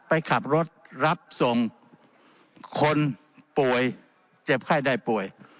ไปขับรถรับส่งคนป่วยเจ็บไข้ได้ป่วย